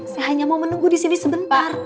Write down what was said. saya hanya mau menunggu disini sebentar